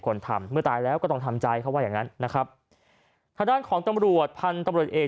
คนทำเมื่อตายแล้วก็ต้องทำใจเขาว่าอย่างงั้นนะครับทางด้านของตำรวจพันธุ์ตำรวจเอก